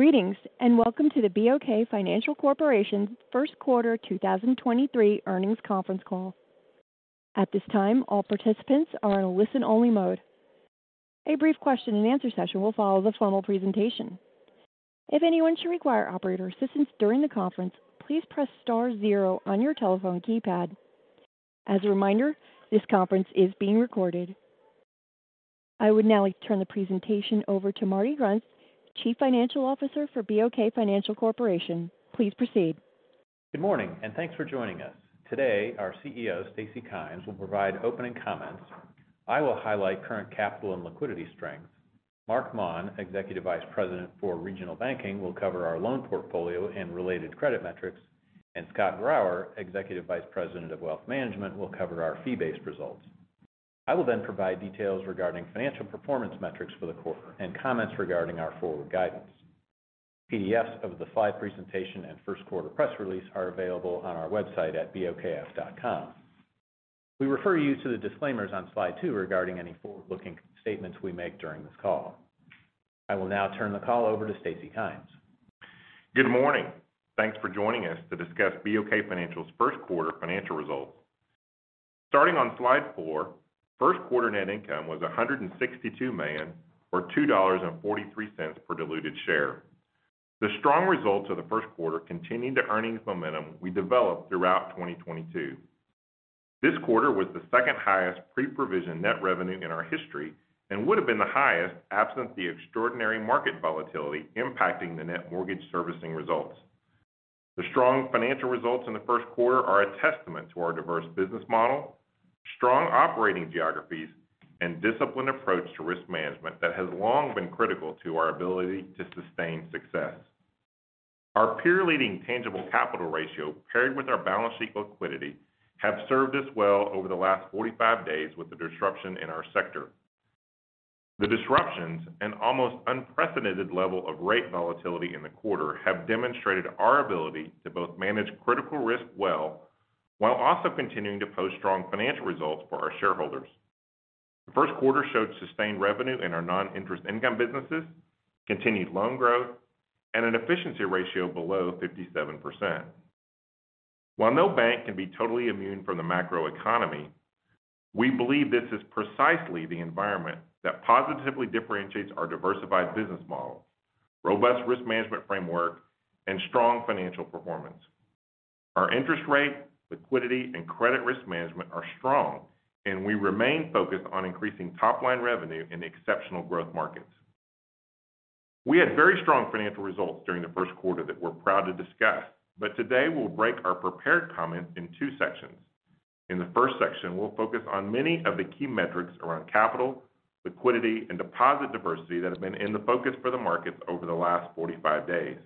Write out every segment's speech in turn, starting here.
Greetings, and welcome to the BOK Financial Corporation first quarter 2023 earnings conference call. At this time, all participants are in a listen-only mode. A brief question-and-answer session will follow the formal presentation. If anyone should require operator assistance during the conference, please press star zero on your telephone keypad. As a reminder, this conference is being recorded. I would now like to turn the presentation over to Marty Grunst, Chief Financial Officer for BOK Financial Corporation. Please proceed. Good morning, and thanks for joining us. Today, our CEO, Stacy Kymes, will provide opening comments. I will highlight current capital and liquidity strengths. Marc Maun, Executive Vice President for Regional Banking, will cover our loan portfolio and related credit metrics. Scott Grauer, Executive Vice President of Wealth Management, will cover our fee-based results. I will then provide details regarding financial performance metrics for the quarter and comments regarding our forward guidance. PDFs of the slide presentation and first quarter press release are available on our website at bokf.com. We refer you to the disclaimers on slide two regarding any forward-looking statements we make during this call. I will now turn the call over to Stacy Kymes. Good morning. Thanks for joining us to discuss BOK Financial's first quarter financial results. Starting on slide four, first quarter net income was $162 million or $2.43 per diluted share. The strong results of the first quarter continued the earnings momentum we developed throughout 2022. This quarter was the second highest pre-provision net revenue in our history and would have been the highest absent the extraordinary market volatility impacting the net mortgage servicing results. The strong financial results in the first quarter are a testament to our diverse business model, strong operating geographies, and disciplined approach to risk management that has long been critical to our ability to sustain success. Our peer-leading tangible capital ratio paired with our balance sheet liquidity have served us well over the last 45 days with the disruption in our sector. The disruptions and almost unprecedented level of rate volatility in the quarter have demonstrated our ability to both manage critical risk well while also continuing to post strong financial results for our shareholders. The first quarter showed sustained revenue in our non-interest income businesses, continued loan growth, and an efficiency ratio below 57%. While no bank can be totally immune from the macroeconomy, we believe this is precisely the environment that positively differentiates our diversified business model, robust risk management framework, and strong financial performance. Our interest rate, liquidity, and credit risk management are strong, and we remain focused on increasing top-line revenue in the exceptional growth markets. We had very strong financial results during the first quarter that we're proud to discuss, but today we'll break our prepared comments in two sections. In the first section, we'll focus on many of the key metrics around capital, liquidity, and deposit diversity that have been in the focus for the markets over the last 45 days.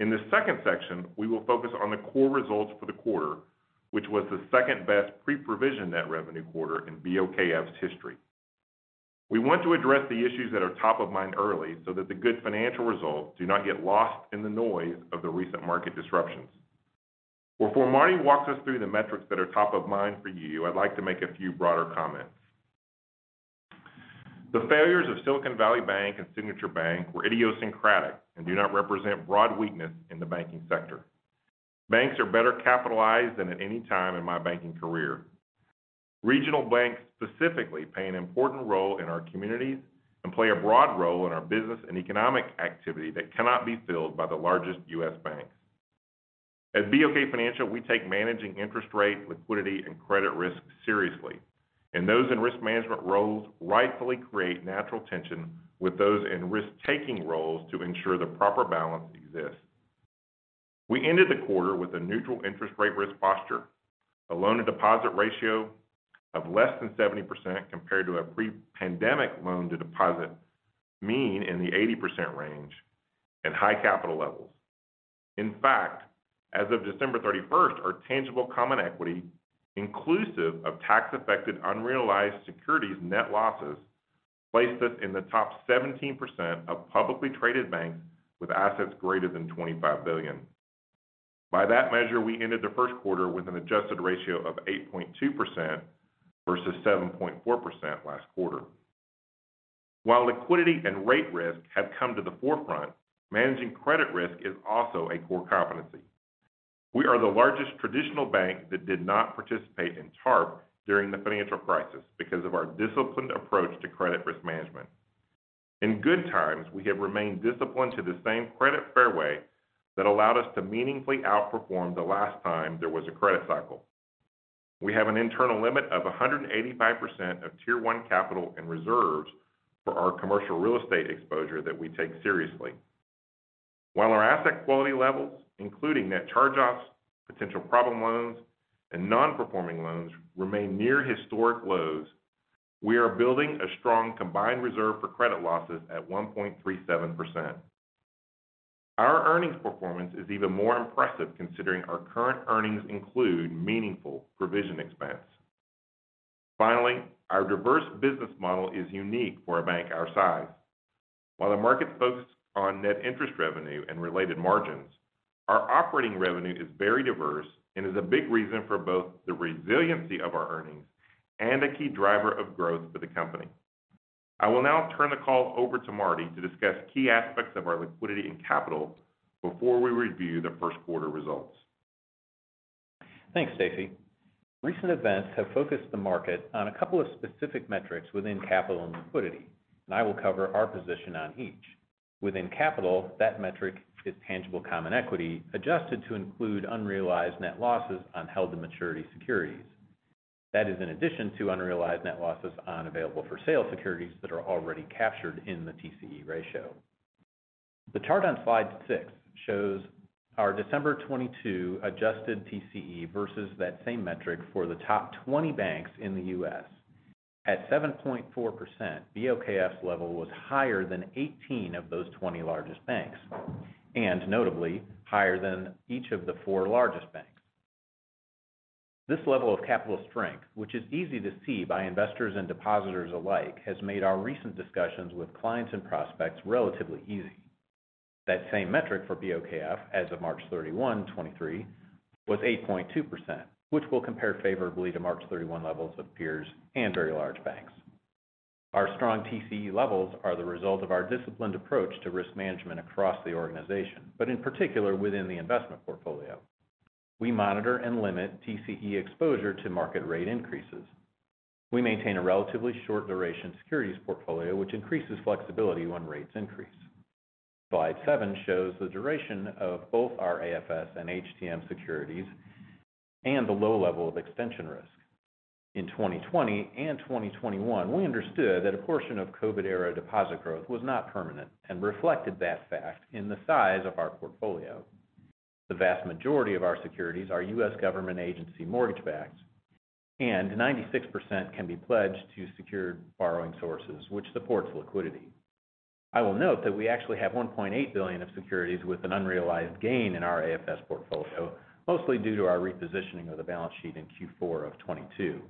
In the second section, we will focus on the core results for the quarter, which was the second-best pre-provision net revenue quarter in BOKF's history. We want to address the issues that are top of mind early so that the good financial results do not get lost in the noise of the recent market disruptions. Before Marty walks us through the metrics that are top of mind for you, I'd like to make a few broader comments. The failures of Silicon Valley Bank and Signature Bank were idiosyncratic and do not represent broad weakness in the banking sector. Banks are better capitalized than at any time in my banking career. Regional banks specifically play an important role in our communities and play a broad role in our business and economic activity that cannot be filled by the largest U.S. banks. At BOK Financial, we take managing interest rate, liquidity, and credit risk seriously, and those in risk management roles rightfully create natural tension with those in risk-taking roles to ensure the proper balance exists. We ended the quarter with a neutral interest rate risk posture, a loan-to-deposit ratio of less than 70% compared to a pre-pandemic loan-to-deposit mean in the 80% range and high capital levels. In fact, as of December 31st, our tangible common equity, inclusive of tax-affected unrealized securities net losses, placed us in the top 17% of publicly traded banks with assets greater than $25 billion. By that measure, we ended the first quarter with an adjusted ratio of 8.2% versus 7.4% last quarter. While liquidity and rate risk have come to the forefront, managing credit risk is also a core competency. We are the largest traditional bank that did not participate in TARP during the financial crisis because of our disciplined approach to credit risk management. In good times, we have remained disciplined to the same credit fairway that allowed us to meaningfully outperform the last time there was a credit cycle. We have an internal limit of 185% of Tier 1 Capital and reserves for our commercial real estate exposure that we take seriously. While our asset quality levels, including net charge-offs, potential problem loans, and non-performing loans, remain near historic lows, we are building a strong combined reserve for credit losses at 1.37%. Our earnings performance is even more impressive considering our current earnings include meaningful provision expense. Finally, our diverse business model is unique for a bank our size. While the market focused on net interest revenue and related margins, our operating revenue is very diverse and is a big reason for both the resiliency of our earnings. A key driver of growth for the company. I will now turn the call over to Marty to discuss key aspects of our liquidity and capital before we review the first quarter results. Thanks, Stacy. Recent events have focused the market on a couple of specific metrics within capital and liquidity. I will cover our position on each. Within capital, that metric is tangible common equity adjusted to include unrealized net losses on Held-to-Maturity securities. That is in addition to unrealized net losses on Available-for-Sale securities that are already captured in the TCE ratio. The chart on slide six shows our December 22 adjusted TCE versus that same metric for the top 20 banks in the U.S. At 7.4%, BOKF's level was higher than 18 of those 20 largest banks. Notably higher than each of the four largest banks. This level of capital strength, which is easy to see by investors and depositors alike, has made our recent discussions with clients and prospects relatively easy. That same metric for BOKF as of March 31, 2023 was 8.2%, which will compare favorably to March 31 levels of peers and very large banks. Our strong TCE levels are the result of our disciplined approach to risk management across the organization, but in particular within the investment portfolio. We monitor and limit TCE exposure to market rate increases. We maintain a relatively short duration securities portfolio, which increases flexibility when rates increase. Slide seven shows the duration of both our AFS and HTM securities and the low level of extension risk. In 2020 and 2021, we understood that a portion of COVID era deposit growth was not permanent and reflected that fact in the size of our portfolio. The vast majority of our securities are U.S government agency mortgage-backed, and 96% can be pledged to secured borrowing sources which supports liquidity. I will note that we actually have $1.8 billion of securities with an unrealized gain in our AFS portfolio, mostly due to our repositioning of the balance sheet in Q4 of 2022.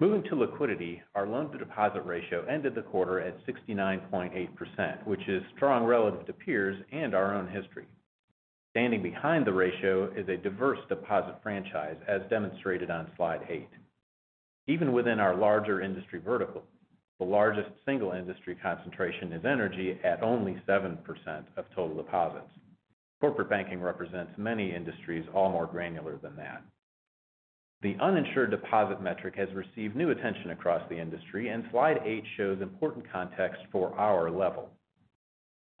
Moving to liquidity. Our loan-to-deposit ratio ended the quarter at 69.8%, which is strong relative to peers and our own history. Standing behind the ratio is a diverse deposit franchise, as demonstrated on Slide 8. Even within our larger industry vertical, the largest single industry concentration is energy at only 7% of total deposits. Corporate banking represents many industries, all more granular than that. The uninsured deposit metric has received new attention across the industry. Slide 8 shows important context for our level.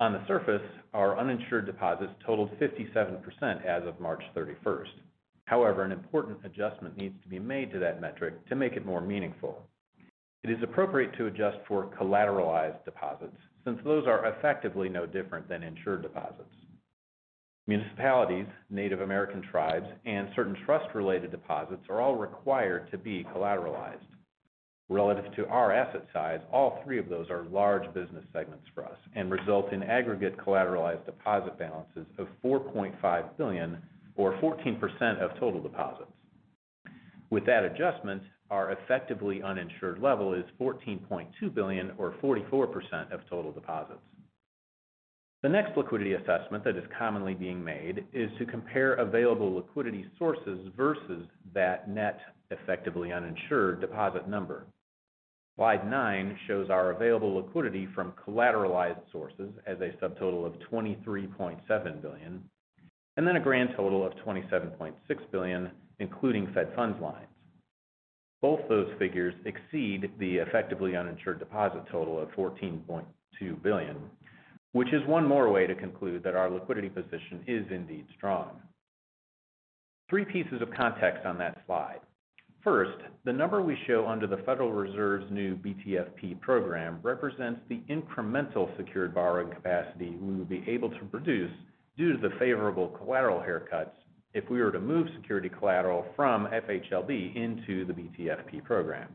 On the surface, our uninsured deposits totaled 57% as of March 31st. However, an important adjustment needs to be made to that metric to make it more meaningful. It is appropriate to adjust for collateralized deposits since those are effectively no different than insured deposits. Municipalities, Native American tribes, and certain trust-related deposits are all required to be collateralized. Relative to our asset size, all three of those are large business segments for us and result in aggregate collateralized deposit balances of $4.5 billion or 14% of total deposits. With that adjustment, our effectively uninsured level is $14.2 billion or 44% of total deposits. The next liquidity assessment that is commonly being made is to compare available liquidity sources versus that net effectively uninsured deposit number. Slide nine shows our available liquidity from collateralized sources as a subtotal of $23.7 billion, and then a grand total of $27.6 billion, including Fed funds lines. Both those figures exceed the effectively uninsured deposit total of $14.2 billion, which is one more way to conclude that our liquidity position is indeed strong. Three pieces of context on that slide. First, the number we show under the Federal Reserve's new BTFP program represents the incremental secured borrowing capacity we will be able to produce due to the favorable collateral haircuts if we were to move security collateral from FHLB into the BTFP program.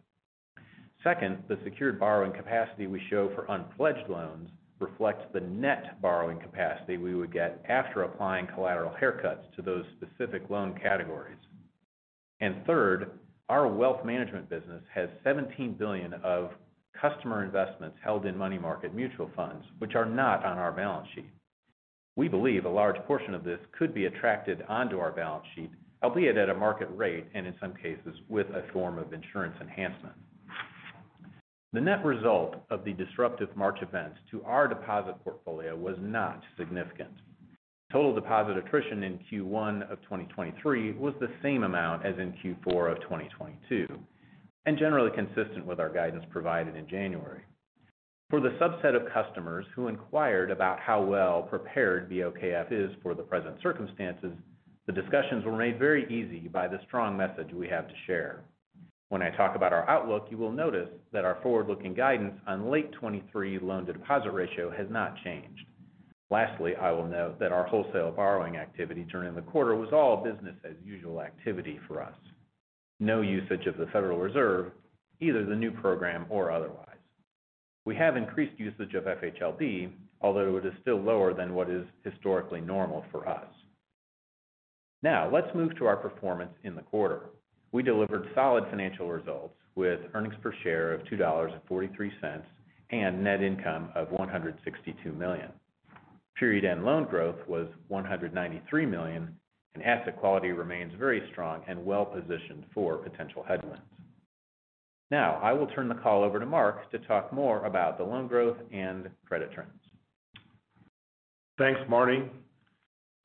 Second, the secured borrowing capacity we show for unpledged loans reflects the net borrowing capacity we would get after applying collateral haircuts to those specific loan categories. Third, our wealth management business has $17 billion of customer investments held in money market mutual funds which are not on our balance sheet. We believe a large portion of this could be attracted onto our balance sheet, albeit at a market rate and in some cases with a form of insurance enhancement. The net result of the disruptive March events to our deposit portfolio was not significant. Total deposit attrition in Q1 of 2023 was the same amount as in Q4 of 2022, and generally consistent with our guidance provided in January. The subset of customers who inquired about how well prepared BOKF is for the present circumstances, the discussions were made very easy by the strong message we have to share. I talk about our outlook, you will notice that our forward-looking guidance on late 2023 loan-to-deposit ratio has not changed. Lastly, I will note that our wholesale borrowing activity during the quarter was all business as usual activity for us. No usage of the Federal Reserve, either the new program or otherwise. We have increased usage of FHLB, although it is still lower than what is historically normal for us. Let's move to our performance in the quarter. We delivered solid financial results with earnings per share of $2.43, and net income of $162 million. Period end loan growth was $193 million, and asset quality remains very strong and well-positioned for potential headwinds. I will turn the call over to Marc to talk more about the loan growth and credit trends. Thanks, Marty.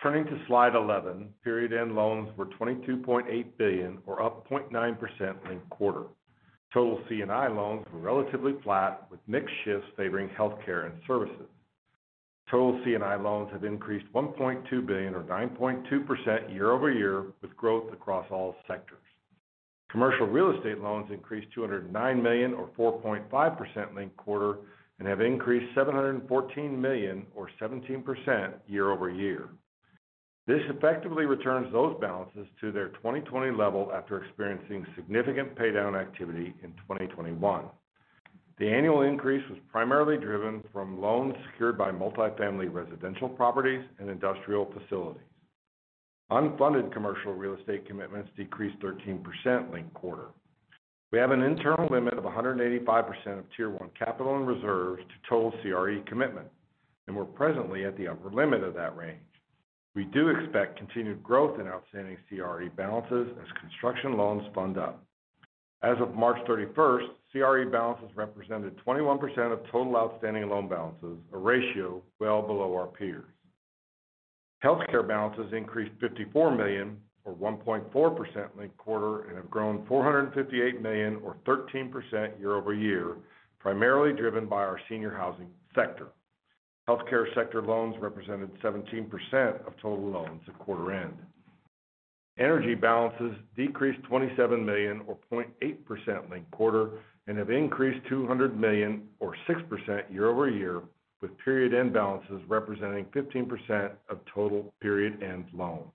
Turning to slide 11. Period end loans were $22.8 billion or up 0.9% linked quarter. Total C&I loans were relatively flat with mix shifts favoring healthcare and services. Total C&I loans have increased $1.2 billion or 9.2% year-over-year with growth across all sectors. Commercial real estate loans increased $209 million or 4.5% linked quarter and have increased $714 million or 17% year-over-year. This effectively returns those balances to their 2020 level after experiencing significant paydown activity in 2021. The annual increase was primarily driven from loans secured by multifamily residential properties and industrial facilities. Unfunded commercial real estate commitments decreased 13% linked quarter. We have an internal limit of 185% of Tier 1 Capital and reserves to total CRE commitment. We're presently at the upper limit of that range. We do expect continued growth in outstanding CRE balances as construction loans fund up. As of March 31st, CRE balances represented 21% of total outstanding loan balances, a ratio well below our peers. Healthcare balances increased $54 million or 1.4% linked-quarter and have grown $458 million or 13% year-over-year, primarily driven by our senior housing sector. Healthcare sector loans represented 17% of total loans at quarter end. Energy balances decreased $27 million or 0.8% linked-quarter and have increased $200 million or 6% year-over-year with period end balances representing 15% of total period end loans.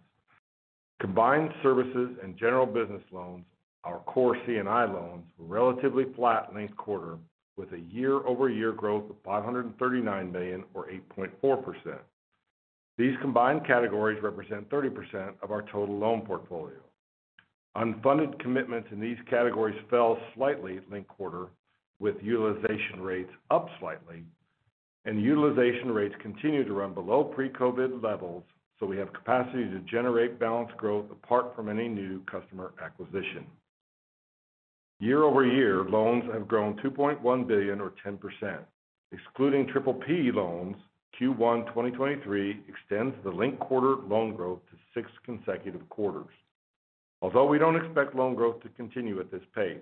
Combined services and general business loans, our core C&I loans were relatively flat in this quarter with a year-over-year growth of $539 million or 8.4%. These combined categories represent 30% of our total loan portfolio. Unfunded commitments in these categories fell slightly linked quarter with utilization rates up slightly. Utilization rates continue to run below pre-COVID levels, so we have capacity to generate balance growth apart from any new customer acquisition. Year-over-year, loans have grown $2.1 billion or 10%. Excluding PPP loans, Q1 2023 extends the linked quarter loan growth to six consecutive quarters. Although we don't expect loan growth to continue at this pace,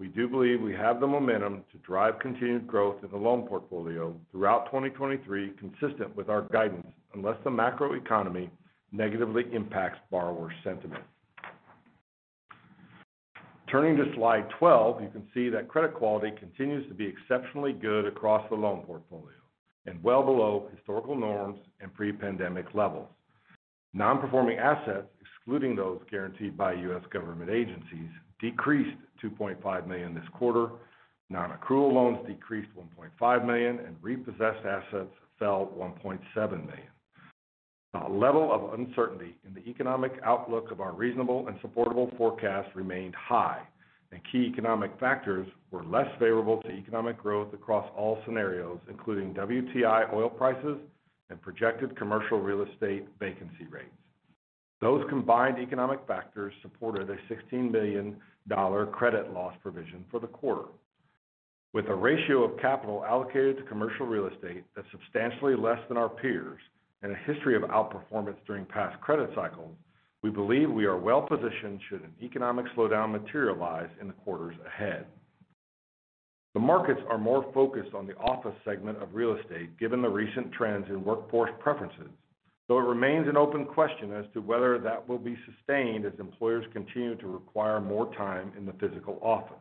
we do believe we have the momentum to drive continued growth in the loan portfolio throughout 2023, consistent with our guidance, unless the macroeconomy negatively impacts borrower sentiment. Turning to slide 12, you can see that credit quality continues to be exceptionally good across the loan portfolio and well below historical norms and pre-pandemic levels. Non-performing assets, excluding those guaranteed by US government agencies, decreased $2.5 million this quarter. Non-accrual loans decreased $1.5 million, and repossessed assets fell $1.7 million. The level of uncertainty in the economic outlook of our reasonable and supportable forecast remained high. Key economic factors were less favorable to economic growth across all scenarios, including WTI oil prices and projected commercial real estate vacancy rates. Those combined economic factors supported a $16 million credit loss provision for the quarter. With a ratio of capital allocated to commercial real estate that's substantially less than our peers and a history of outperformance during past credit cycles, we believe we are well positioned should an economic slowdown materialize in the quarters ahead. The markets are more focused on the office segment of real estate, given the recent trends in workforce preferences, so it remains an open question as to whether that will be sustained as employers continue to require more time in the physical office.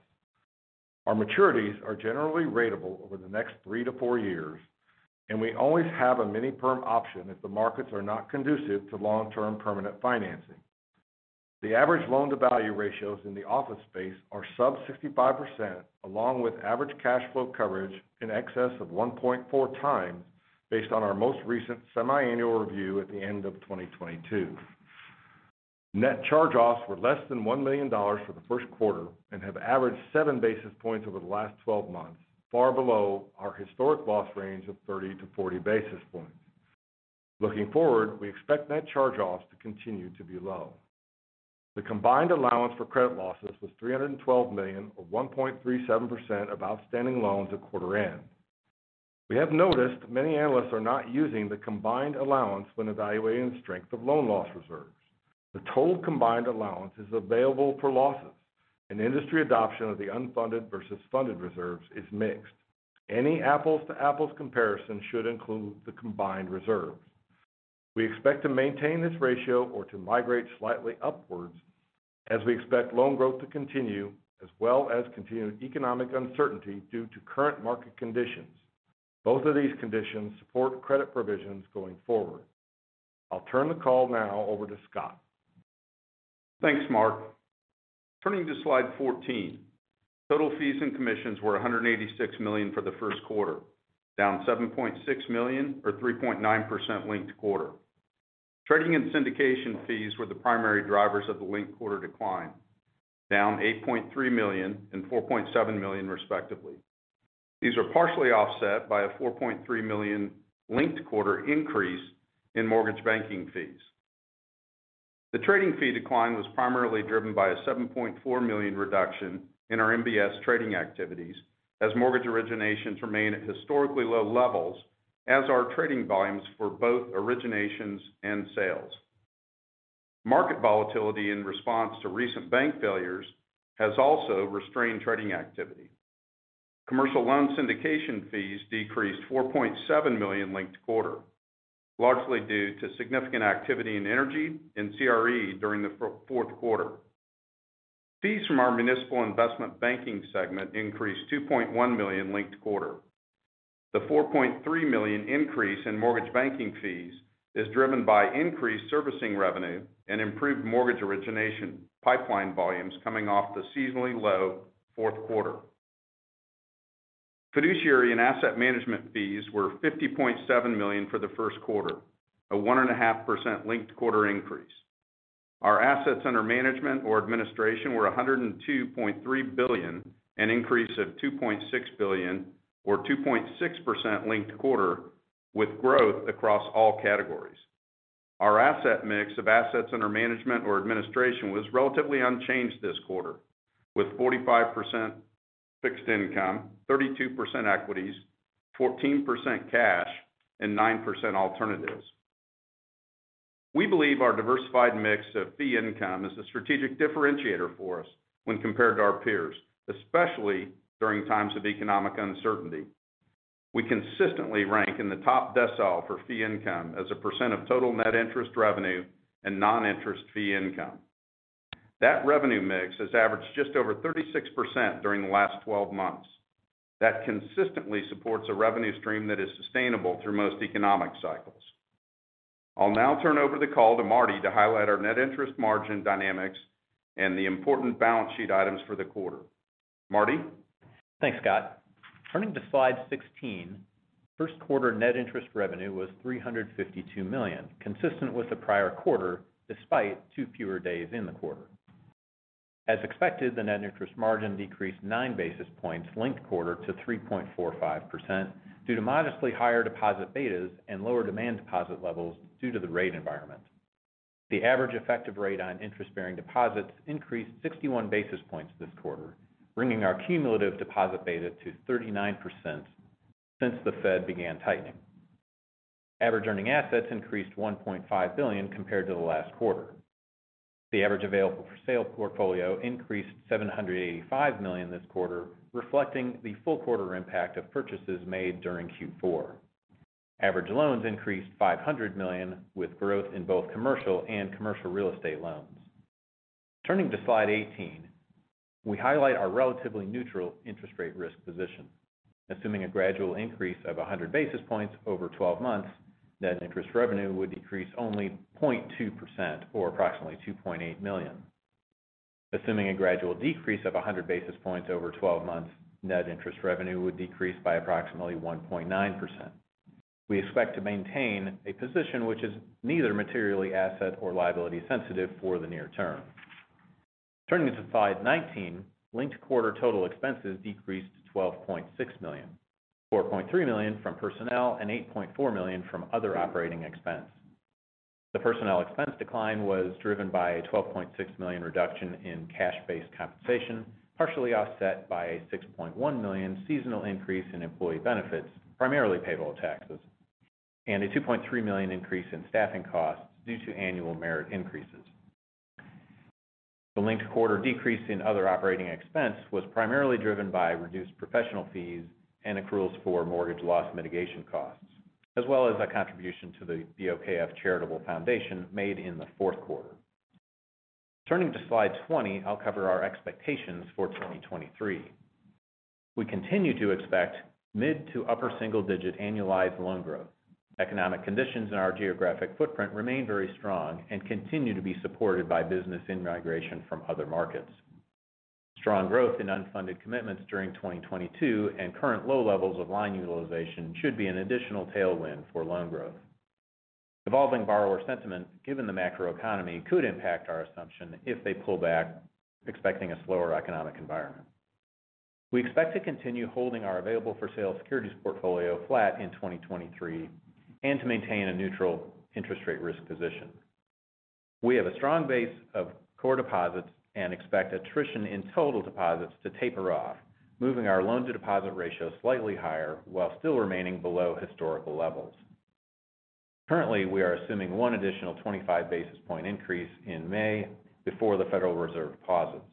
Our maturities are generally ratable over the next 3-4 years, and we always have a mini-perm option if the markets are not conducive to long-term permanent financing. The average loan-to-value ratios in the office space are sub 65%, along with average cash flow coverage in excess of 1.4 times based on our most recent semi-annual review at the end of 2022. Net charge-offs were less than $1 million for the first quarter and have averaged 7 basis points over the last 12 months, far below our historic loss range of 30-40 basis points. Looking forward, we expect net charge-offs to continue to be low. The combined allowance for credit losses was $312 million or 1.37% of outstanding loans at quarter end. We have noticed many analysts are not using the combined allowance when evaluating the strength of loan loss reserves. The total combined allowance is available for losses and industry adoption of the unfunded versus funded reserves is mixed. Any apples to apples comparison should include the combined reserves. We expect to maintain this ratio or to migrate slightly upwards as we expect loan growth to continue as well as continued economic uncertainty due to current market conditions. Both of these conditions support credit provisions going forward. I'll turn the call now over to Scott. Thanks, Marc. Turning to slide 14. Total fees and commissions were $186 million for the first quarter, down $7.6 million or 3.9% linked quarter. Trading and syndication fees were the primary drivers of the linked quarter decline, down $8.3 million and $4.7 million respectively. These were partially offset by a $4.3 million linked quarter increase in mortgage banking fees. The trading fee decline was primarily driven by a $7.4 million reduction in our MBS trading activities as mortgage originations remain at historically low levels, as are trading volumes for both originations and sales. Market volatility in response to recent bank failures has also restrained trading activity. Commercial loan syndication fees decreased $4.7 million linked quarter, largely due to significant activity in energy and CRE during the fourth quarter. Fees from our municipal investment banking segment increased $2.1 million linked quarter. The $4.3 million increase in mortgage banking fees is driven by increased servicing revenue and improved mortgage origination pipeline volumes coming off the seasonally low fourth quarter. Fiduciary and asset management fees were $50.7 million for the first quarter, a 1.5% linked quarter increase. Our assets under management or administration were $102.3 billion, an increase of $2.6 billion or 2.6% linked quarter with growth across all categories. Our asset mix of assets under management or administration was relatively unchanged this quarter with 45% fixed income, 32% equities, 14% cash, and 9% alternatives. We believe our diversified mix of fee income is a strategic differentiator for us when compared to our peers, especially during times of economic uncertainty. We consistently rank in the top decile for fee income as a % of total net interest revenue and non-interest fee income. That revenue mix has averaged just over 36% during the last 12 months. That consistently supports a revenue stream that is sustainable through most economic cycles. I'll now turn over the call to Marty to highlight our net interest margin dynamics and the important balance sheet items for the quarter. Marty? Thanks, Scott. Turning to slide 16, first quarter net interest revenue was $352 million, consistent with the prior quarter, despite 2 fewer days in the quarter. As expected, the net interest margin decreased 9 basis points linked quarter to 3.45% due to modestly higher deposit betas and lower demand deposit levels due to the rate environment. The average effective rate on interest-bearing deposits increased 61 basis points this quarter, bringing our cumulative deposit beta to 39% since the Fed began tightening. Average earning assets increased $1.5 billion compared to the last quarter. The average available for sale portfolio increased $785 million this quarter, reflecting the full quarter impact of purchases made during Q4. Average loans increased $500 million, with growth in both commercial and commercial real estate loans. Turning to slide 18, we highlight our relatively neutral interest rate risk position. Assuming a gradual increase of 100 basis points over 12 months, net interest revenue would decrease only 0.2% or approximately $2.8 million. Assuming a gradual decrease of 100 basis points over 12 months, net interest revenue would decrease by approximately 1.9%. We expect to maintain a position which is neither materially asset or liability sensitive for the near term. Turning to slide 19, linked quarter total expenses decreased to $12.6 million, $4.3 million from personnel and $8.4 million from other operating expense. The personnel expense decline was driven by a $12.6 million reduction in cash-based compensation, partially offset by a $6.1 million seasonal increase in employee benefits, primarily payroll taxes and a $2.3 million increase in staffing costs due to annual merit increases. The linked quarter decrease in other operating expense was primarily driven by reduced professional fees and accruals for mortgage loss mitigation costs, as well as a contribution to the BOKF Charitable Foundation made in the fourth quarter. Turning to slide 20, I'll cover our expectations for 2023. We continue to expect mid to upper single digit annualized loan growth. Economic conditions in our geographic footprint remain very strong and continue to be supported by business in-migration from other markets. Strong growth in unfunded commitments during 2022 and current low levels of line utilization should be an additional tailwind for loan growth. Evolving borrower sentiment, given the macroeconomy, could impact our assumption if they pull back expecting a slower economic environment. We expect to continue holding our available for sale securities portfolio flat in 2023 and to maintain a neutral interest rate risk position. We have a strong base of core deposits and expect attrition in total deposits to taper off, moving our loan-to-deposit ratio slightly higher while still remaining below historical levels. Currently, we are assuming 1 additional 25 basis point increase in May before the Federal Reserve deposits.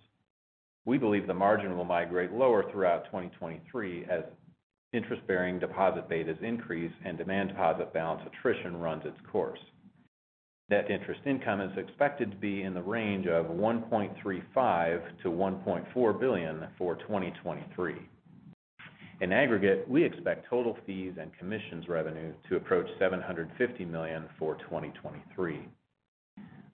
We believe the margin will migrate lower throughout 2023 as interest-bearing deposit betas increase and demand deposit balance attrition runs its course. Net interest income is expected to be in the range of $1.35 billion-$1.4 billion for 2023. In aggregate, we expect total fees and commissions revenue to approach $750 million for 2023.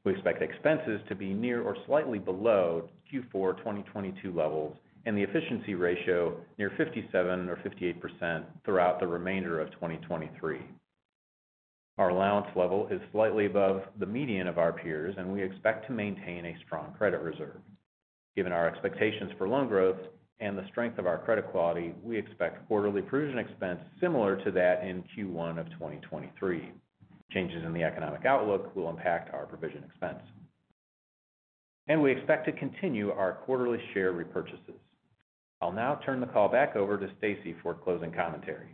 We expect expenses to be near or slightly below Q4 2022 levels and the efficiency ratio near 57% or 58% throughout the remainder of 2023. Our allowance level is slightly above the median of our peers, and we expect to maintain a strong credit reserve. Given our expectations for loan growth and the strength of our credit quality, we expect quarterly provision expense similar to that in Q1 of 2023. Changes in the economic outlook will impact our provision expense. We expect to continue our quarterly share repurchases. I'll now turn the call back over to Stacy for closing commentary.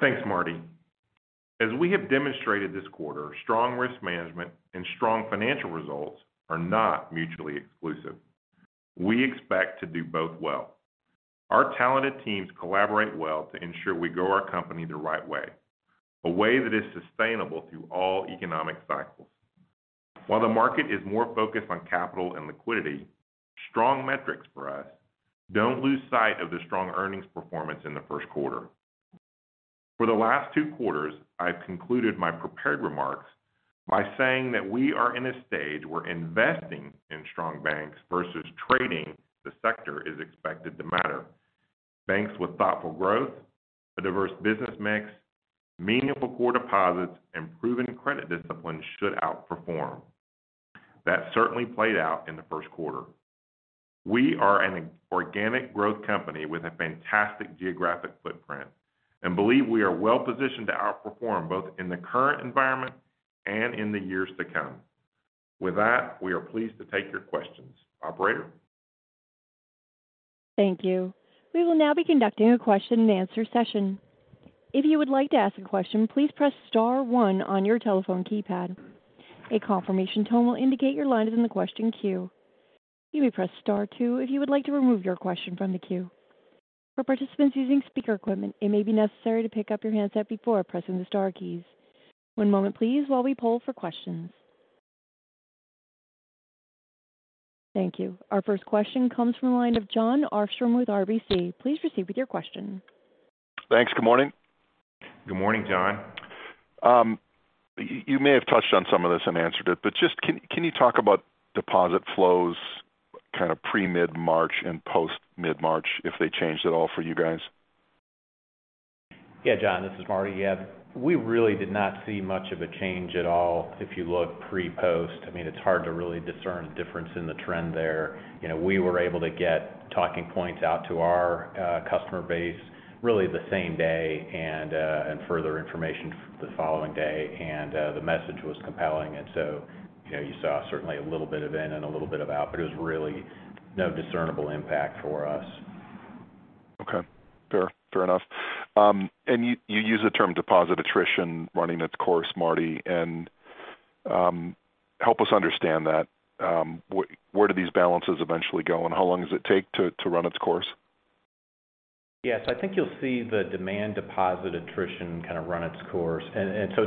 Thanks, Marty. As we have demonstrated this quarter, strong risk management and strong financial results are not mutually exclusive. We expect to do both well. Our talented teams collaborate well to ensure we grow our company the right way, a way that is sustainable through all economic cycles. While the market is more focused on capital and liquidity, strong metrics for us don't lose sight of the strong earnings performance in the first quarter. For the last two quarters, I've concluded my prepared remarks by saying that we are in a stage where investing in strong banks versus trading the sector is expected to matter. Banks with thoughtful growth, a diverse business mix, meaningful core deposits, and proven credit discipline should outperform. That certainly played out in the first quarter. We are an organic growth company with a fantastic geographic footprint and believe we are well positioned to outperform both in the current environment and in the years to come. With that, we are pleased to take your questions. Operator. Thank you. We will now be conducting a question-and-answer session. If you would like to ask a question, please press star one on your telephone keypad. A confirmation tone will indicate your line is in the question queue. You may press star two if you would like to remove your question from the queue. For participants using speaker equipment, it may be necessary to pick up your handset before pressing the star keys. One moment please while we poll for questions. Thank you. Our first question comes from the line of Jon Arfstrom with RBC. Please proceed with your question. Thanks. Good morning. Good morning, Jon. You may have touched on some of this and answered it, but just can you talk about deposit flows kind of pre-mid-March and post-mid-March, if they changed at all for you guys? Yeah, John, this is Marty. Yeah, we really did not see much of a change at all if you look pre, post. I mean, it's hard to really discern a difference in the trend there. You know, we were able to get talking points out to our customer base really the same day and further information the following day. The message was compelling. You know, you saw certainly a little bit of in and a little bit of out, but it was really no discernible impact for us. Okay. Fair, fair enough. You, you use the term deposit attrition running its course, Marty, and help us understand that. Where do these balances eventually go, and how long does it take to run its course? Yes, I think you'll see the demand deposit attrition kind of run its course.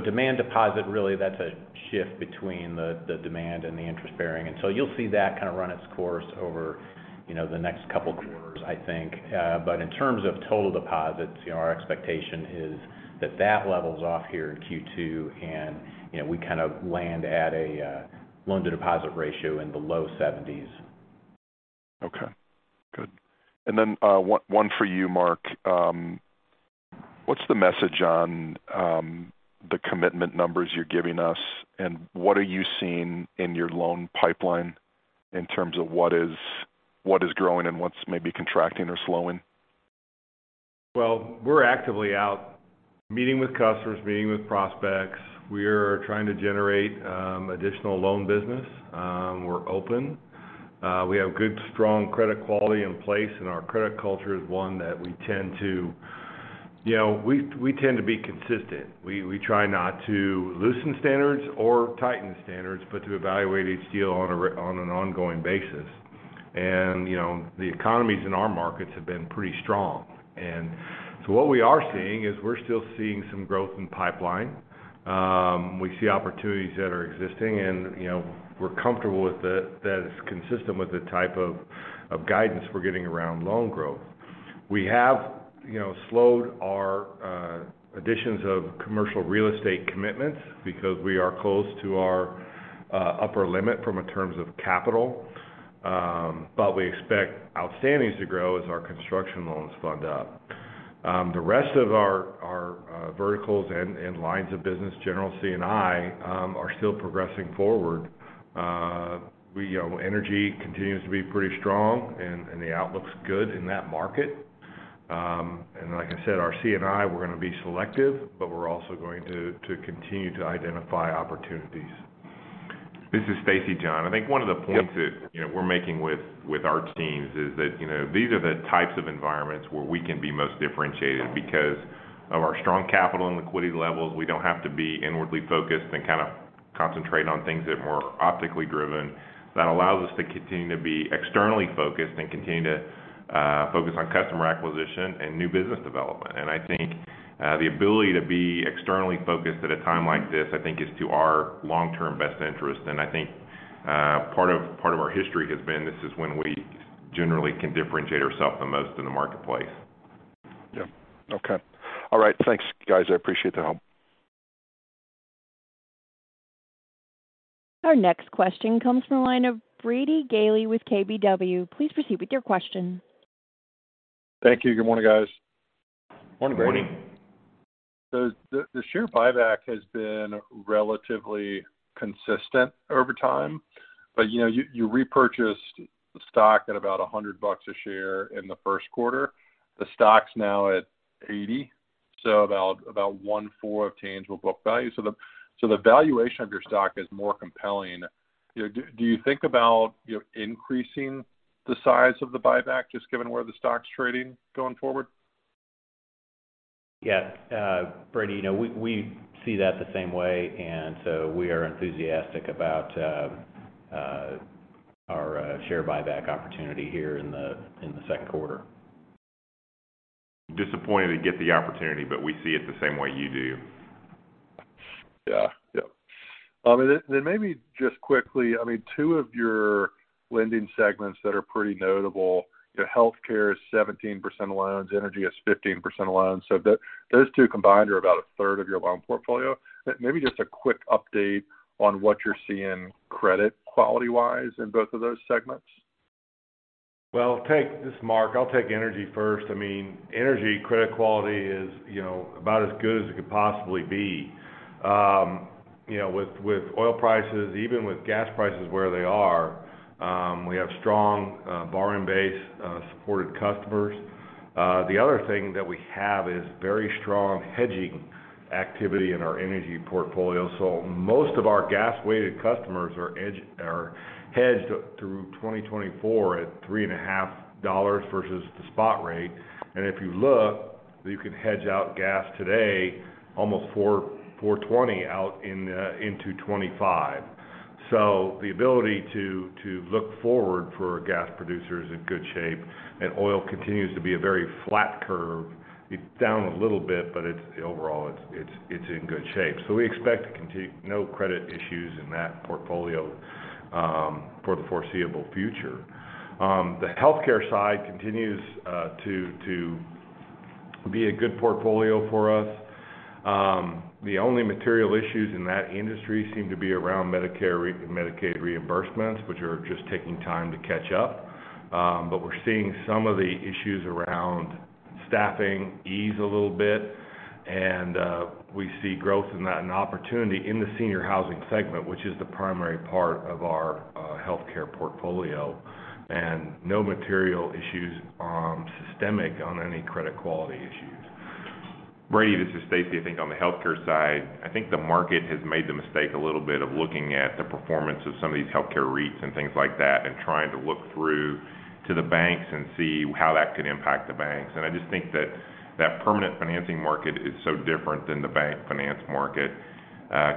Demand deposit, really, that's a shift between the demand and the interest-bearing. You'll see that kind of run its course over, you know, the next couple quarters, I think. In terms of total deposits, you know, our expectation is that that levels off here in Q2 and, you know, we kind of land at a loan-to-deposit ratio in the low 70s. Okay, good. One for you, Marc, what's the message on the commitment numbers you're giving us? What are you seeing in your loan pipeline in terms of what is growing and what's maybe contracting or slowing? Well, we're actively out meeting with customers, meeting with prospects. We are trying to generate additional loan business. We're open. We have good, strong credit quality in place, and our credit culture is one that we tend to be consistent. We try not to loosen standards or tighten standards but to evaluate each deal on an ongoing basis. You know, the economies in our markets have been pretty strong. What we are seeing is we're still seeing some growth in pipeline. We see opportunities that are existing and, you know, we're comfortable with that it's consistent with the type of guidance we're getting around loan growth. We have, you know, slowed our additions of commercial real estate commitments because we are close to our upper limit from in terms of capital. We expect outstandings to grow as our construction loans fund up. The rest of our verticals and lines of business, general C&I, are still progressing forward. You know, energy continues to be pretty strong and the outlook's good in that market. Like I said, our C&I, we're gonna be selective, but we're also going to continue to identify opportunities. This is Stacy, John. I think one of the points that-. Yep. you know, we're making with our teams is that, you know, these are the types of environments where we can be most differentiated. Because of our strong capital and liquidity levels, we don't have to be inwardly focused and kind of concentrate on things that are more optically driven. That allows us to continue to be externally focused and continue to focus on customer acquisition and new business development. I think the ability to be externally focused at a time like this, I think is to our long-term best interest. I think part of our history has been this is when we generally can differentiate ourself the most in the marketplace. Yeah. Okay. All right. Thanks, guys. I appreciate the help. Our next question comes from the line of Brady Gailey with KBW. Please proceed with your question. Thank you. Good morning, guys. Morning, Brady. Morning. The share buyback has been relatively consistent over time. You know, you repurchased stock at about $100 a share in the first quarter. The stock's now at 80, so about one-fourth of tangible book value. The valuation of your stock is more compelling. You know, do you think about, you know, increasing the size of the buyback just given where the stock's trading going forward? Yeah. Brady, you know, we see that the same way, and so we are enthusiastic about our share buyback opportunity here in the second quarter. Disappointed to get the opportunity, we see it the same way you do. Yeah. Yep. maybe just quickly, I mean, two of your lending segments that are pretty notable, you know, healthcare is 17% of loans, energy is 15% of loans. those two combined are about a third of your loan portfolio. Maybe just a quick update on what you're seeing credit quality-wise in both of those segments. This is Marc. I'll take energy first. I mean, energy credit quality is, you know, about as good as it could possibly be. You know, with oil prices, even with gas prices where they are, we have strong borrowing base supported customers. The other thing that we have is very strong hedging activity in our energy portfolio. Most of our gas-weighted customers are hedged through 2024 at $3.50 versus the spot rate. If you look, you can hedge out gas today almost $4.00, $4.20 out into 2025. The ability to look forward for gas producers in good shape and oil continues to be a very flat curve. It's down a little bit, but overall it's in good shape. We expect to continue no credit issues in that portfolio for the foreseeable future. The healthcare side continues to be a good portfolio for us. The only material issues in that industry seem to be around Medicare, Medicaid reimbursements, which are just taking time to catch up. We're seeing some of the issues around staffing ease a little bit, and we see growth in that and opportunity in the senior housing segment, which is the primary part of our healthcare portfolio. No material issues systemic on any credit quality issues. Brady, this is Stacy. I think on the healthcare side, I think the market has made the mistake a little bit of looking at the performance of some of these healthcare REITs and things like that and trying to look through to the banks and see how that could impact the banks. I just think that that permanent financing market is so different than the bank finance market.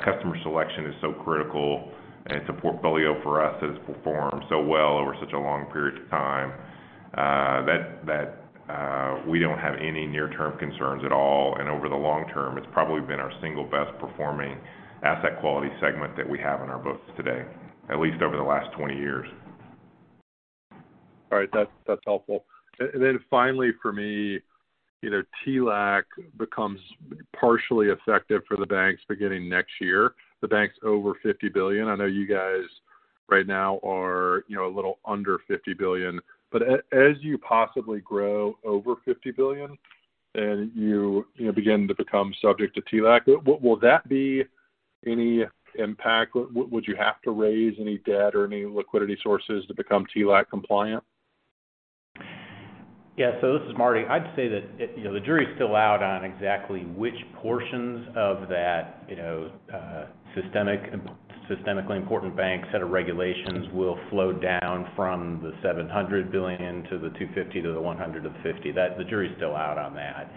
Customer selection is so critical, and it's a portfolio for us that has performed so well over such a long period of time, that, we don't have any near-term concerns at all. Over the long term, it's probably been our single best performing asset quality segment that we have on our books today, at least over the last 20 years. All right. That's helpful. Finally for me, you know, TLAC becomes partially effective for the banks beginning next year. The bank's over $50 billion. I know you guys right now are, you know, a little under $50 billion. As you possibly grow over $50 billion and you know, begin to become subject to TLAC, will that be any impact? Would you have to raise any debt or any liquidity sources to become TLAC compliant? This is Marty. I'd say that, you know, the jury is still out on exactly which portions of that, you know, systemically important bank set of regulations will flow down from the $700 billion to the $250 billion to the $150 billion. The jury's still out on that.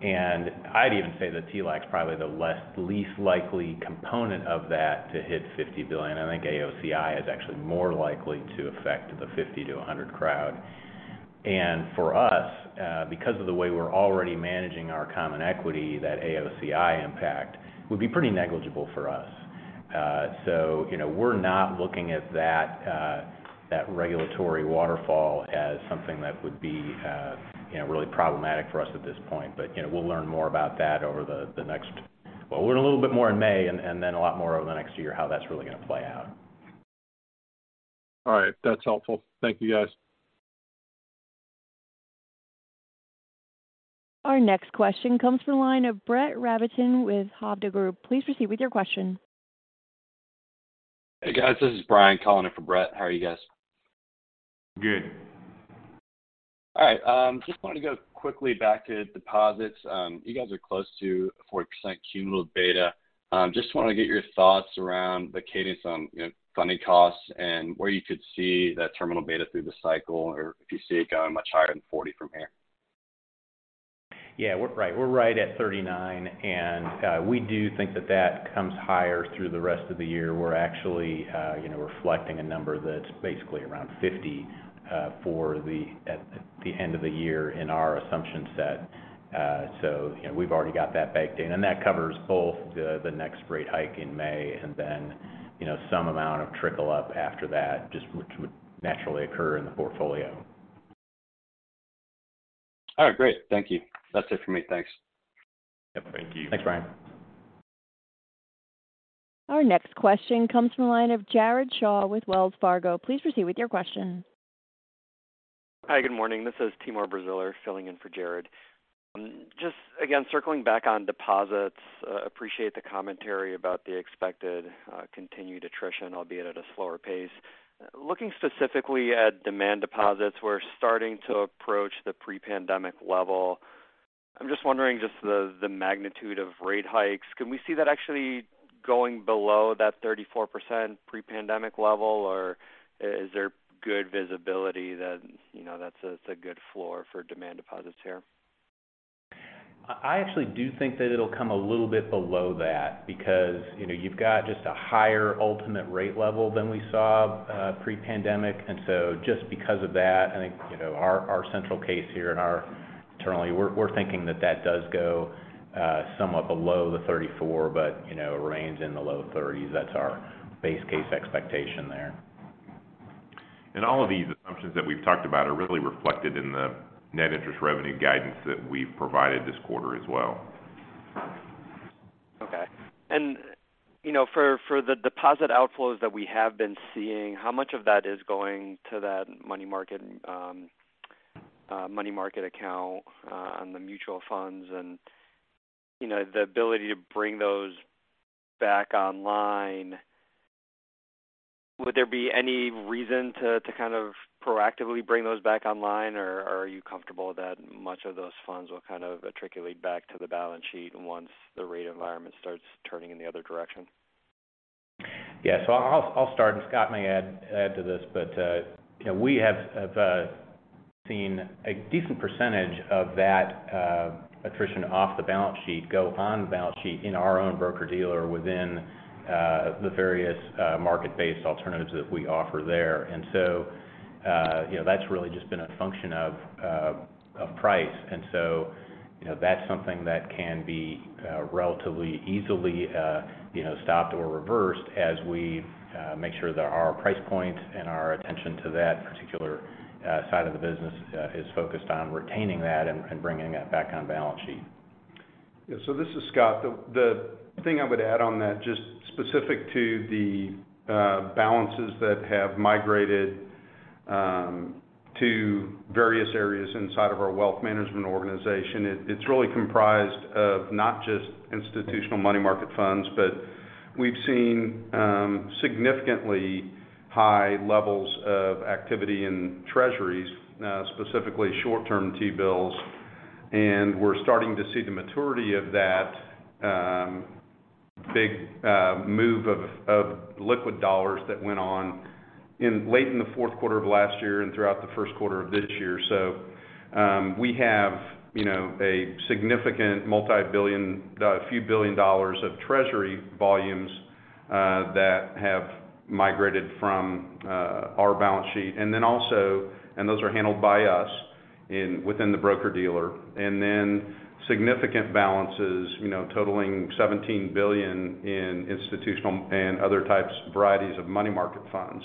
I'd even say that TLAC's probably the least likely component of that to hit $50 billion. I think AOCI is actually more likely to affect the $50 billion-$100 billion crowd. For us, because of the way we're already managing our common equity, that AOCI impact would be pretty negligible for us. We're not looking at that regulatory waterfall as something that would be, you know, really problematic for us at this point. you know, we'll learn more about that Well, we'll learn a little bit more in May and then a lot more over the next year how that's really gonna play out. All right. That's helpful. Thank you, guys. Our next question comes from the line of Brett Rabatin with Hovde Group. Please proceed with your question. Hey, guys. This is Brian calling in for Brett. How are you guys? Good. All right. Just wanted to go quickly back to deposits. You guys are close to a 40% cumulative beta. Just wanna get your thoughts around the cadence on, you know, funding costs and where you could see that terminal beta through the cycle or if you see it going much higher than 40 from here. Yeah. We're right at 39. We do think that that comes higher through the rest of the year. We're actually, you know, reflecting a number that's basically around 50, at the end of the year in our assumption set. you know, we've already got that baked in. That covers both the next rate hike in May and then, you know, some amount of trickle up after that, just which would naturally occur in the portfolio. All right, great. Thank you. That's it for me. Thanks. Yeah, thank you. Thanks, Brian. Our next question comes from the line of Jared Shaw with Wells Fargo. Please proceed with your question. Hi, good morning. This is Timur Braziler filling in for Jared. just again, circling back on deposits, appreciate the commentary about the expected, continued attrition, albeit at a slower pace. Looking specifically at demand deposits, we're starting to approach the pre-pandemic level. I'm just wondering just the magnitude of rate hikes. Can we see that actually going below that 34% pre-pandemic level, or is there good visibility that, you know, that's a, it's a good floor for demand deposits here? I actually do think that it'll come a little bit below that because, you know, you've got just a higher ultimate rate level than we saw pre-pandemic. Just because of that, I think, you know, our central case here and our internally, we're thinking that that does go somewhat below the 34, but, you know, it rains in the low 30s. That's our base case expectation there. All of these assumptions that we've talked about are really reflected in the net interest revenue guidance that we've provided this quarter as well. Okay. You know, for the deposit outflows that we have been seeing, how much of that is going to that money market, money market account, on the mutual funds and, you know, the ability to bring those back online. Would there be any reason to kind of proactively bring those back online, or are you comfortable that much of those funds will kind of articulate back to the balance sheet once the rate environment starts turning in the other direction? Yeah. I'll start and Scott may add to this. you know, we have seen a decent percentage of that attrition off the balance sheet go on balance sheet in our own broker-dealer within the various market-based alternatives that we offer there. you know, that's really just been a function of price. you know, that's something that can be relatively easily, you know, stopped or reversed as we make sure that our price points and our attention to that particular side of the business is focused on retaining that and bringing it back on balance sheet. Yeah. This is Scott. The thing I would add on that, just specific to the balances that have migrated to various areas inside of our wealth management organization, it's really comprised of not just institutional money market funds, but we've seen significantly high levels of activity in Treasuries, specifically short-term T-bills. We're starting to see the maturity of that big move of liquid dollars that went on in late in the fourth quarter of last year and throughout the first quarter of this year. We have, you know, a significant multi-billion, few billion dollars of Treasury volumes that have migrated from our balance sheet. Those are handled by us in within the broker-dealer. Significant balances, you know, totaling $17 billion in institutional and other types varieties of money market funds.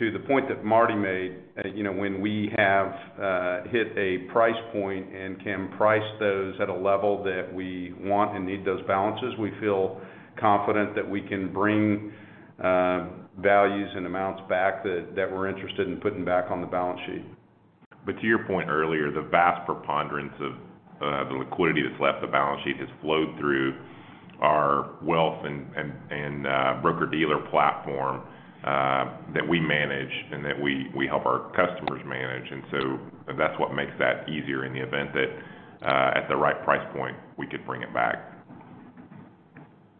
To the point that Marty made, you know, when we have hit a price point and can price those at a level that we want and need those balances, we feel confident that we can bring values and amounts back that we're interested in putting back on the balance sheet. To your point earlier, the vast preponderance of the liquidity that's left the balance sheet has flowed through our wealth and broker-dealer platform that we manage and that we help our customers manage. That's what makes that easier in the event that at the right price point, we could bring it back.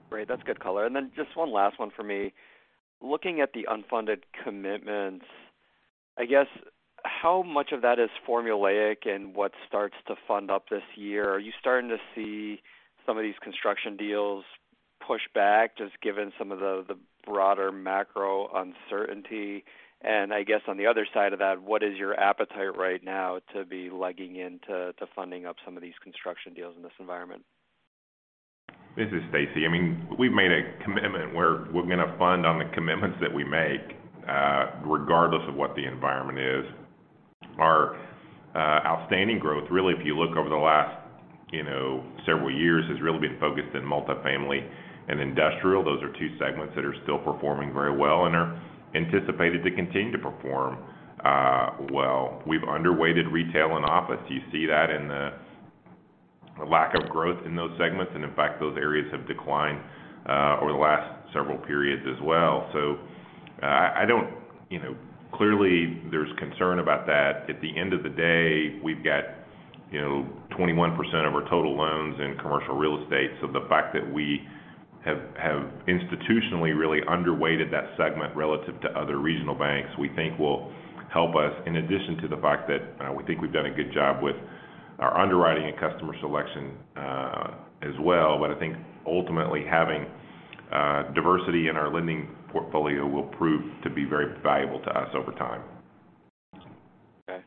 Great. That's good color. Just one last one for me. Looking at the unfunded commitments, I guess how much of that is formulaic and what starts to fund up this year? Are you starting to see some of these construction deals push back, just given some of the broader macro uncertainty? I guess on the other side of that, what is your appetite right now to be legging into to funding up some of these construction deals in this environment? This is Stacy. I mean, we've made a commitment where we're going to fund on the commitments that we make, regardless of what the environment is. Our outstanding growth, really, if you look over the last, you know, several years has really been focused in multifamily and industrial. Those are two segments that are still performing very well and are anticipated to continue to perform, well. We've underweighted retail and office. You see that in the lack of growth in those segments. In fact, those areas have declined over the last several periods as well. I don't. You know, clearly there's concern about that. At the end of the day, we've got, you know, 21% of our total loans in commercial real estate. The fact that we have institutionally really underweighted that segment relative to other regional banks, we think will help us, in addition to the fact that we think we've done a good job with our underwriting and customer selection as well. I think ultimately having diversity in our lending portfolio will prove to be very valuable to us over time. Okay.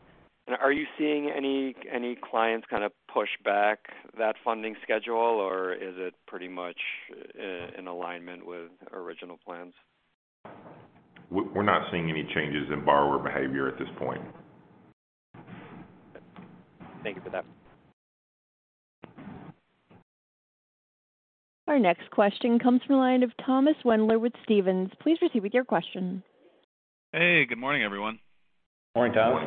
Are you seeing any clients kind of push back that funding schedule, or is it pretty much in alignment with original plans? We're not seeing any changes in borrower behavior at this point. Thank you for that. Our next question comes from the line of Thomas Wendler with Stephens. Please proceed with your question. Hey, good morning, everyone. Morning, Thomas.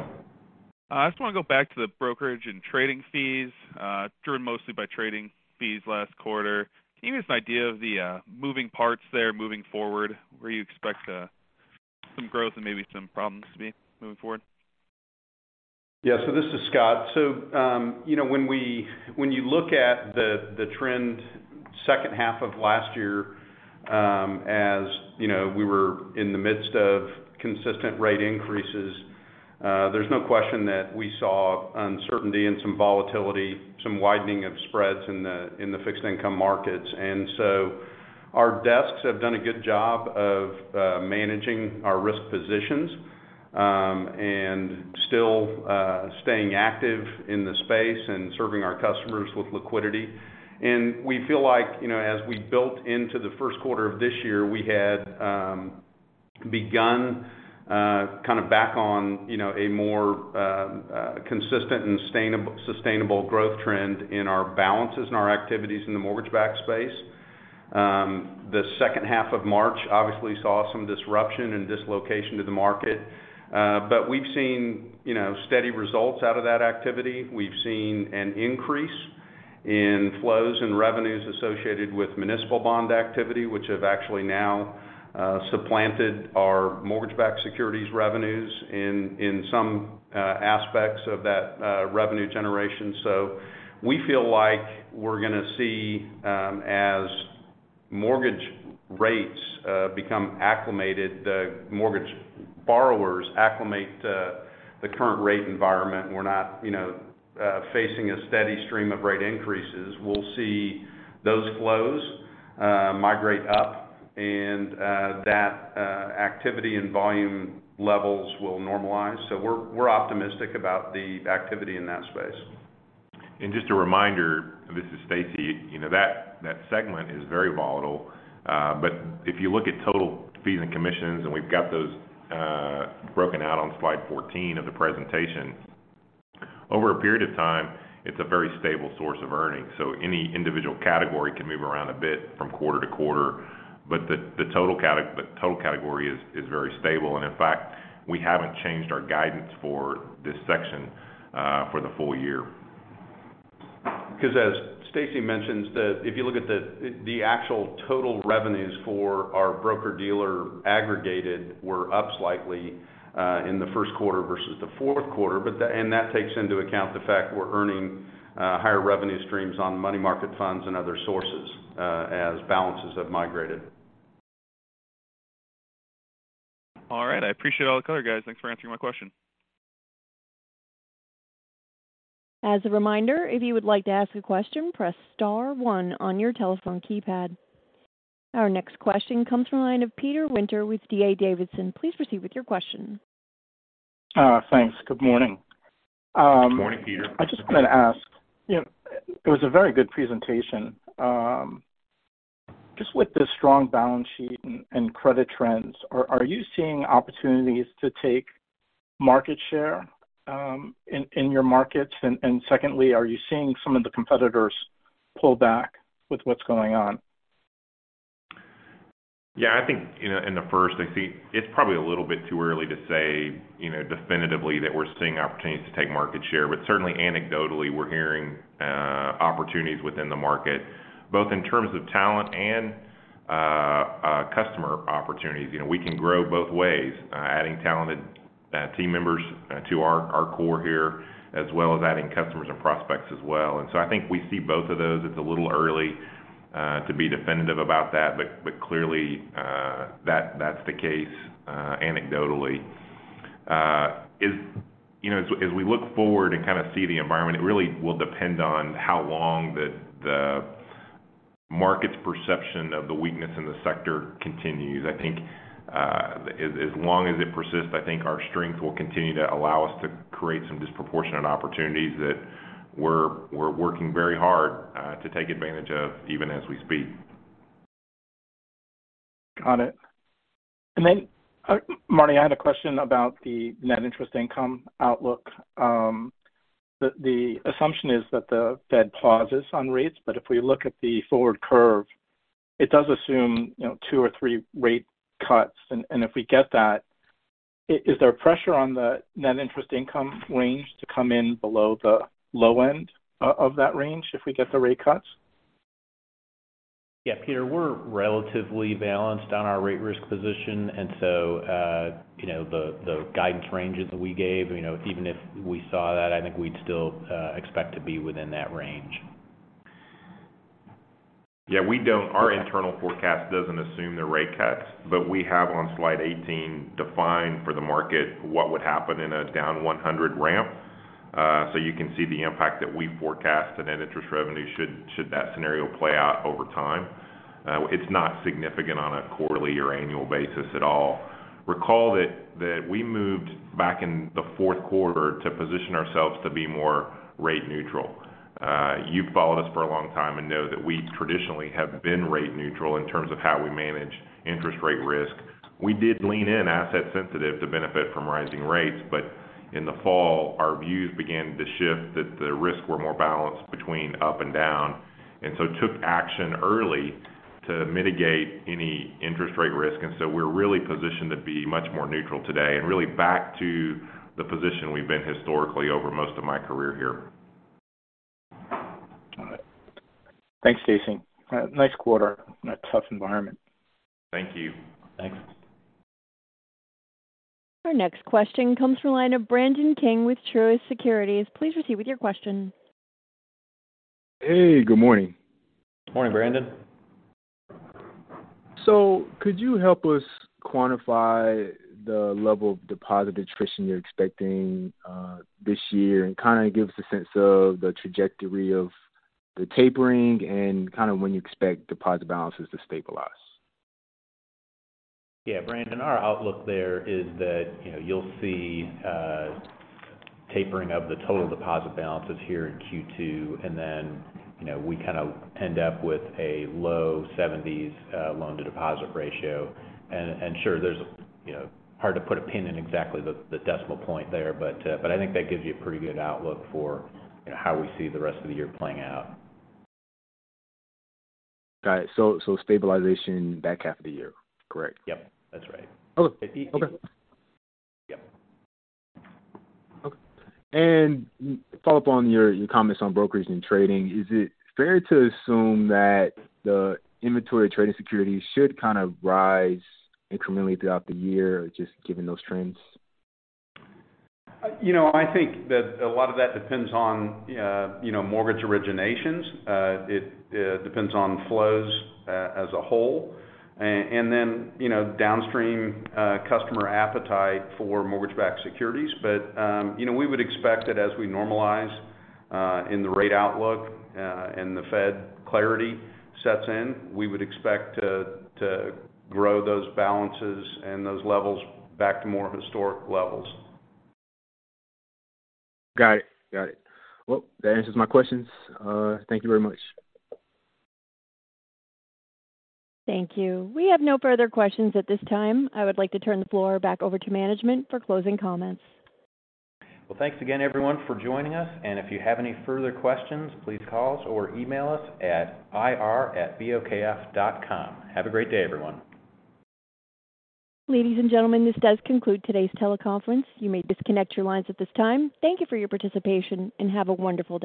I just want to go back to the brokerage and trading fees, driven mostly by trading fees last quarter. Can you give us an idea of the moving parts there moving forward, where you expect some growth and maybe some problems to be moving forward? Yeah. This is Scott. You know, when you look at the trend second half of last year, as, you know, we were in the midst of consistent rate increases, there's no question that we saw uncertainty and some volatility, some widening of spreads in the, in the fixed income markets. Our desks have done a good job of managing our risk positions, and still staying active in the space and serving our customers with liquidity. We feel like, you know, as we built into the first quarter of this year, we had begun kind of back on, you know, a more consistent and sustainable growth trend in our balances and our activities in the mortgage-backed space. The second half of March obviously saw some disruption and dislocation to the market. We've seen, you know, steady results out of that activity. We've seen an increase in flows and revenues associated with municipal bond activity, which have actually now supplanted our mortgage-backed securities revenues in some aspects of that revenue generation. We feel like we're going to see as mortgage rates become acclimated, the mortgage borrowers acclimate to the current rate environment. We're not, you know, facing a steady stream of rate increases. We'll see those flows migrate up and that activity and volume levels will normalize. We're optimistic about the activity in that space. Just a reminder, this is Stacy. You know, that segment is very volatile. If you look at total fees and commissions, and we've got those broken out on slide 14 of the presentation. Over a period of time, it's a very stable source of earnings. Any individual category can move around a bit from quarter to quarter, but the total category is very stable. In fact, we haven't changed our guidance for this section for the full year. As Stacy mentions, the actual total revenues for our broker-dealer aggregated were up slightly in the first quarter versus the fourth quarter. That takes into account the fact we're earning higher revenue streams on money market funds and other sources as balances have migrated. All right. I appreciate all the color, guys. Thanks for answering my question. As a reminder, if you would like to ask a question, press star one on your telephone keypad. Our next question comes from the line of Peter Winter with D.A. Davidson. Please proceed with your question. Thanks. Good morning. Good morning, Peter. I just wanted to ask, you know, it was a very good presentation. Just with the strong balance sheet and credit trends, are you seeing opportunities to take market share in your markets? Secondly, are you seeing some of the competitors pull back with what's going on? Yeah, I think, you know, in the first, I see it's probably a little bit too early to say, you know, definitively that we're seeing opportunities to take market share. Certainly anecdotally, we're hearing opportunities within the market, both in terms of talent and customer opportunities. You know, we can grow both ways, adding talented team members to our core here, as well as adding customers and prospects as well. I think we see both of those. It's a little early to be definitive about that, but clearly that's the case anecdotally. You know, as we look forward to kind of see the environment, it really will depend on how long the market's perception of the weakness in the sector continues. I think, as long as it persists, I think our strength will continue to allow us to create some disproportionate opportunities that we're working very hard to take advantage of even as we speak. Got it. Marty, I had a question about the net interest income outlook. The assumption is that the Fed pauses on rates, but if we look at the forward curve, it does assume, you know, 2 or 3 rate cuts. If we get that, is there pressure on the net interest income range to come in below the low end of that range if we get the rate cuts? Yeah, Peter, we're relatively balanced on our rate risk position. The guidance ranges that we gave, you know, even if we saw that, I think we'd still expect to be within that range. Yeah, our internal forecast doesn't assume the rate cuts, but we have on slide 18 defined for the market what would happen in a down 100 ramp. You can see the impact that we forecast to net interest revenue should that scenario play out over time. It's not significant on a quarterly or annual basis at all. Recall that we moved back in the fourth quarter to position ourselves to be more rate neutral. You've followed us for a long time and know that we traditionally have been rate neutral in terms of how we manage interest rate risk. We did lean in asset sensitive to benefit from rising rates, but in the fall, our views began to shift that the risks were more balanced between up and down, took action early. To mitigate any interest rate risk. We're really positioned to be much more neutral today and really back to the position we've been historically over most of my career here. All right. Thanks, Marty. nice quarter in a tough environment. Thank you. Thanks. Our next question comes from a line of Brandon King with Truist Securities. Please proceed with your question. Hey, good morning. Morning, Brandon. Could you help us quantify the level of deposit attrition you're expecting, this year and kind of give us a sense of the trajectory of the tapering and kind of when you expect deposit balances to stabilize? Yeah, Brandon, our outlook there is that, you know, you'll see tapering of the total deposit balances here in Q2, and then, you know, we kind of end up with a low 70s loan-to-deposit ratio. Sure, there's, you know, hard to put a pin in exactly the decimal point there, but I think that gives you a pretty good outlook for, you know, how we see the rest of the year playing out. Got it. Stabilization back half of the year, correct? Yep, that's right. Okay. Okay. Yep. Okay. Follow up on your comments on brokerage and trading. Is it fair to assume that the inventory trading securities should kind of rise incrementally throughout the year, just given those trends? You know, I think that a lot of that depends on, you know, mortgage originations. It depends on flows as a whole. Then, you know, downstream, customer appetite for mortgage-backed securities. You know, we would expect that as we normalize, in the rate outlook, and the Fed clarity sets in, we would expect to grow those balances and those levels back to more historic levels. Got it. Got it. Well, that answers my questions. Thank you very much. Thank you. We have no further questions at this time. I would like to turn the floor back over to management for closing comments. Well, thanks again, everyone, for joining us. If you have any further questions, please call us or email us at ir@bokf.com. Have a great day, everyone. Ladies and gentlemen, this does conclude today's teleconference. You may disconnect your lines at this time. Thank you for your participation. Have a wonderful day.